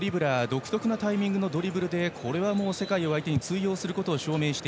独特なタイミングのドリブルで世界を相手に通用することを証明。